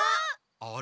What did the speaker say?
あれ？